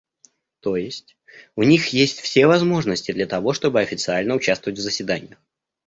То есть, у них есть все возможности для того, чтобы официально участвовать в заседаниях.